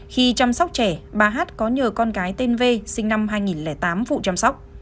khi chăm sóc trẻ bà hát có nhờ con gái tên v sinh năm hai nghìn tám phụ chăm sóc